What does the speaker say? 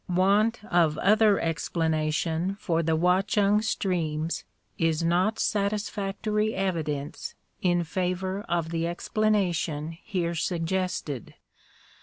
8 Want of other explanation for the Watchung streams 1s not satisfactory evidence in favor of the explanation here suggested.